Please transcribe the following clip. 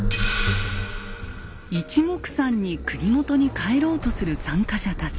いちもくさんに国元に帰ろうとする参加者たち。